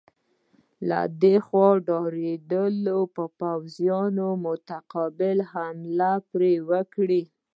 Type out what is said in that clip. له دې خوا ډارېدلو پوځیانو متقابله حمله پرې وکړه.